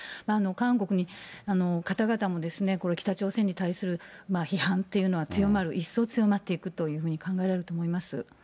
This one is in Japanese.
韓国の方々も、北朝鮮に対する批判っていうのは強まる、一層強まっていくというのは考えられると思います。